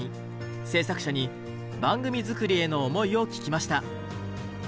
制作者に番組作りへの思いを聞きました。